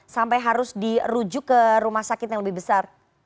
sampai harus dirujuk ke rumah sakit yang lebih besar